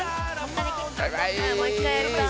もう一回やりたい。